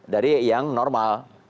dari yang normal